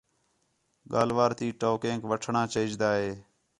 ڳالھ وار تی ٹوکیک وٹھݨاں چاہیجدا ہِے